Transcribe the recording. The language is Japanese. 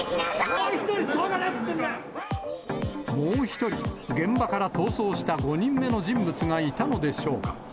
もう１人、もう１人、現場から逃走した５人目の人物がいたのでしょうか。